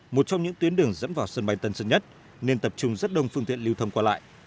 một trong những tuyến đường dẫn vào sân bay tân sơn nhất nên tập trung rất đông phương tiện lưu thông qua lại